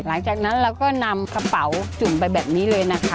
หลังจากนั้นเราก็นำกระเป๋าจุ่มไปแบบนี้เลยนะคะ